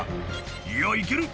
「いや行ける！